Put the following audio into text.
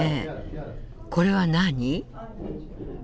これは何？